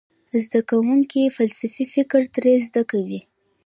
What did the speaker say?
زده کوونکي فلسفي فکر ترې زده کوي.